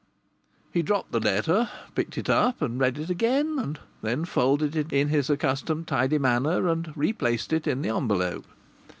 He dropped the letter, picked it up and read it again and then folded it in his accustomed tidy manner and replaced it in the envelope.